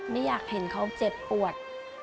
ไม่อยากเห็นเขาเจ็บปวด